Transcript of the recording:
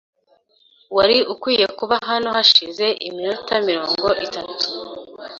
Wari ukwiye kuba hano hashize iminota mirongo itatu .